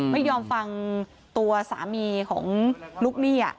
ไม่ยอมฟังตัวสามีของลูกหนี้